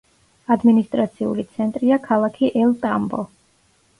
ადმინისტრაციული ცენტრია ქალაქი ელ-ტამბო.